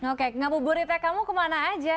oke ngabuburitnya kamu kemana aja